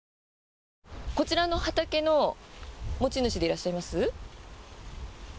こちらの畑の持ち主でいらっしゃいます？